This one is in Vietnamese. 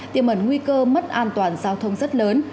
tiềm ẩn nguy cơ mất an toàn giao thông rất lớn